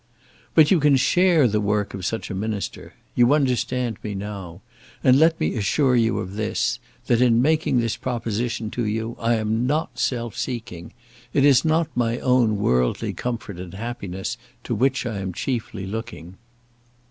"But you can share the work of such a minister. You understand me now. And let me assure you of this; that in making this proposition to you, I am not self seeking. It is not my own worldly comfort and happiness to which I am chiefly looking."